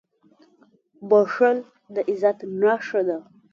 • بښل د عزت نښه ده.